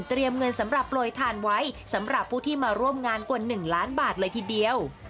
เงินสำหรับโปรยทานไว้สำหรับผู้ที่มาร่วมงานกว่า๑ล้านบาทเลยทีเดียว